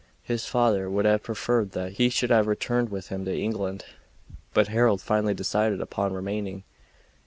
His father would have preferred that he should have returned with him to England, but Harold finally decided upon remaining.